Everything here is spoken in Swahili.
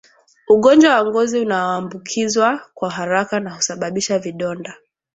Ugonjwa wa ngozi unaambukizwa kwa haraka na kusababisha vidonda